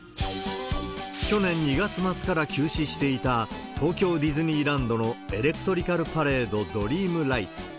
去年２月末から休止していた東京ディズニーランドのエレクトリカルパレード・ドリームライツ。